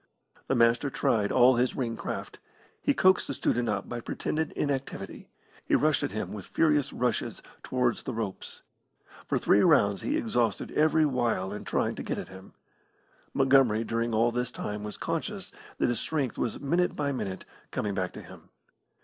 The Master tried all his ring craft. He coaxed the student up by pretended inactivity; he rushed at him with furious rushes towards the ropes. For three rounds he exhausted every wile in trying to get at him. Montgomery during all this time was conscious that his strength was minute by minute coming back to him.